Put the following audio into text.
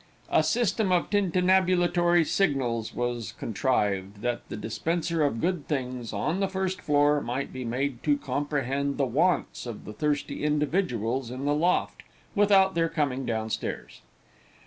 A system of tintinabulatory signals was contrived, that the dispenser of good things, on the first floor, might be made to comprehend the wants of the thirsty individuals in the loft, without their coming down stairs.